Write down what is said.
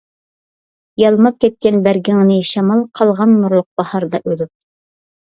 يالماپ كەتكەن بەرگىڭنى شامال، قالغان نۇرلۇق باھاردا ئۆلۈپ.